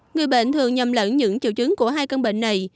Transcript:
người bệnh thường nhầm lẫn những triệu chứng của hai căn bệnh này